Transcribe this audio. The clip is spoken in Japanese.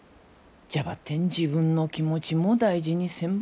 じゃばってん自分の気持ちも大事にせんば。